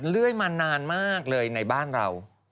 เรื่อยมานานมากเลยในบ้านเรา